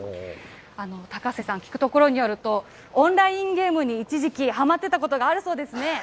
高瀬さん、聞くところによると、オンラインゲームに一時期はまっていたことがあるそうですね。